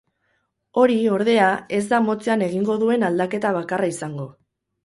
Hori, ordea, ez da epe motzean egingo duen aldaketa bakarra izango.